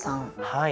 はい。